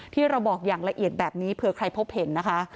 ที่เราบอกอย่างละเอียดแบบนี้เผื่อใครพบเห็นนะคะ